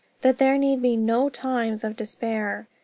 That there need be no times of despair.